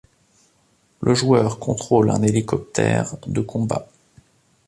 Le joueur contrôle un hélicoptère de combat.